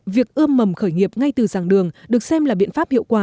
việc ươm mầm khởi nghiệp ngay từ dàng đường được xem là biện pháp hiệu quả